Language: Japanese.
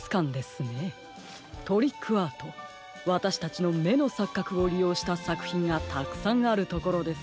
トリックアートわたしたちのめのさっかくをりようしたさくひんがたくさんあるところです。